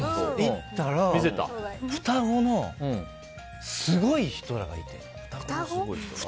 行ったら、双子のすごい人らがいて。